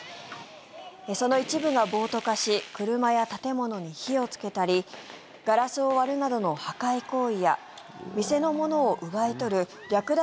その一部が暴徒化し車や建物に火をつけたりガラスを割るなどの破壊行為や店のものを奪い取る略奪